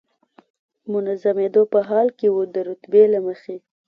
منظمېدو په حال کې و، د رتبې له مخې.